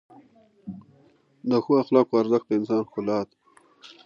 د ښو اخلاقو ارزښت د انسان ښکلا ده.